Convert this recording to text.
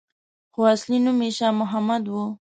خو اصلي نوم یې شا محمد وو.